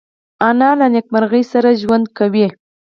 انا له نیکمرغۍ سره ژوند کوي